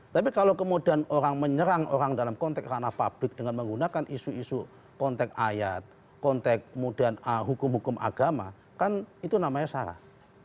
tapi kalau kemudian orang menyerang orang dalam konteks ranah publik dengan menggunakan isu isu konteks ayat konteks kemudian hukum hukum agama kan itu namanya sarah